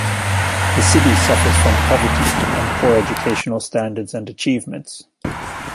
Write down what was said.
The city suffers from poverty, and poor educational standards and achievements.